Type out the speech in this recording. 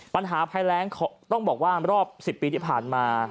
ปัญหาภัยแรงต้องบอกว่ารอบ๑๐ปีที่ผ่านมา